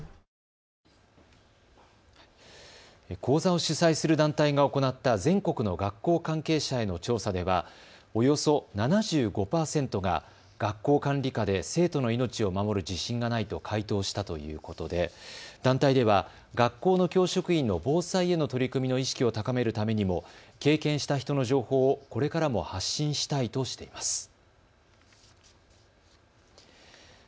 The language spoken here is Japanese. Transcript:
講座を主催する団体が行った全国の学校関係者への調査ではおよそ７５％が学校管理下で生徒の命を守る自信がないと回答したということで団体では学校の教職員の防災への取り組みの意識を高めるためにも経験した人の情報をこれからも発信したいとしています。